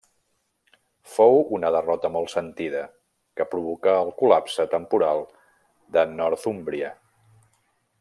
Fou una derrota molt sentida, que provocà el col·lapse temporal de Northúmbria.